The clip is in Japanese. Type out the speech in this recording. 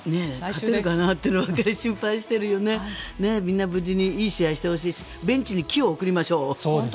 勝てるかなと心配してますがみんな無事にいい試合をしてほしいしベンチに気を送りましょう。